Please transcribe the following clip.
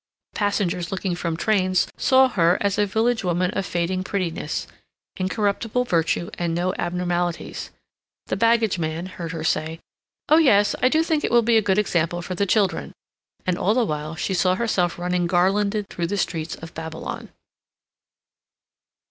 Passengers looking from trains saw her as a village woman of fading prettiness, incorruptible virtue, and no abnormalities; the baggageman heard her say, "Oh yes, I do think it will be a good example for the children"; and all the while she saw herself running garlanded through the streets of Babylon.